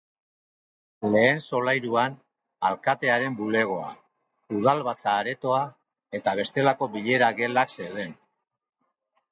Lehen solairuan, alkatearen bulegoa, udalbatza-aretoa eta bestelako bilera gelak zeuden.